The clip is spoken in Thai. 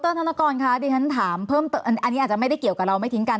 ตรธนกรดิฉันถามอันนี้อาจจะไม่ได้เกี่ยวกับเราไม่ทิ้งกัน